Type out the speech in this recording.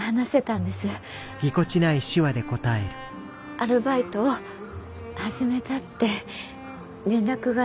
アルバイトを始めたって連絡がありまして。